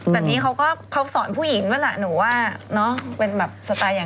แต่นี่เขาสอนผู้หญิงก็แหละหนูว่าเป็นสไตล์อย่างนั้น